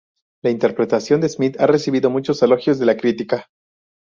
La interpretación de Smith ha recibido muchos elogios de la crítica.